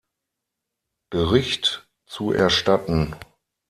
Bericht zu erstatten.